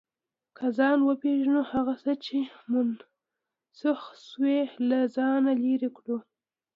که ځان وپېژنو، هغه څه چې منسوخ شوي، له ځانه لرې کوو.